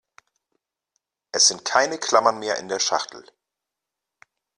Es sind keine Klammern mehr in der Schachtel.